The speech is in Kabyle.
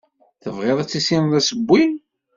Tebɣiḍ ad tissineḍ asewwi.